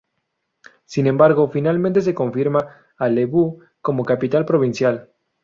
Sin embargo, finalmente se confirma a Lebu, como capital provincial.